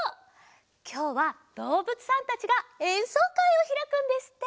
きょうはどうぶつさんたちがえんそうかいをひらくんですって！